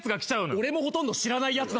俺もほとんど知らないやつ。